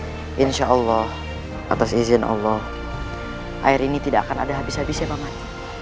tenang saja pak man insya allah atas izin allah air ini tidak akan ada habis habis ya pak man